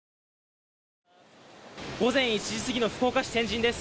午前１時過ぎの福岡市天神です。